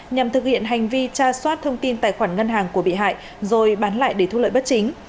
nhằm thực hiện hành vi tra soát thông tin tài khoản ngân hàng của bị hại rồi bán lại để thu lợi bất chính